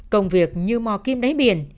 công việc như mò kim đáy biển